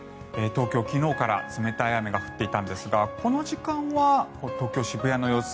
東京、昨日から冷たい雨が降っていたんですがこの時間は東京・渋谷の様子